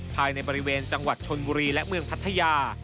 ภายในบริเวณจังหวัดชนบุรีและเมืองพัทยา